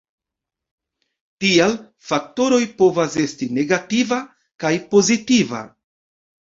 Tial, faktoroj povas esti negativa kaj pozitiva.